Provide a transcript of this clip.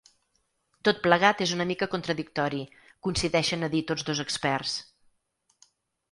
Tot plegat és una mica contradictori, coincideixen a dir tots dos experts.